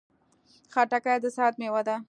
خټکی د صحت مېوه ده.